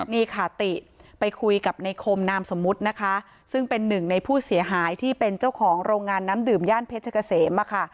นี่ค่ะติไปคุยกับในคมนามสมมุตินะคะซึ่งเป็นหนึ่งในผู้เสียหายที่เป็นเจ้าของโรงงานน้ำดื่มย่านเพชรเกษมค่ะ